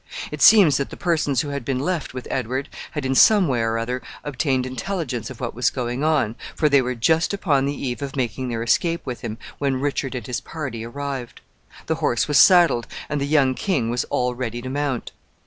It seems that the persons who had been left with Edward had, in some way or other, obtained intelligence of what was going on, for they were just upon the eve of making their escape with him when Richard and his party arrived. The horse was saddled, and the young king was all ready to mount.